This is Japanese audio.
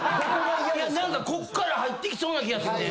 何かこっから入ってきそうな気がすんねん。